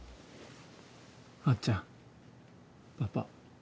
あっちゃんパパ。